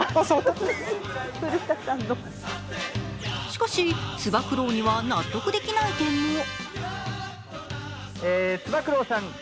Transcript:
しかし、つば九郎には納得できない点も。